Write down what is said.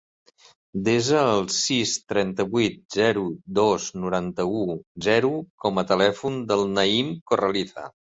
Desa el sis, trenta-vuit, zero, dos, noranta-u, zero com a telèfon del Naïm Corraliza.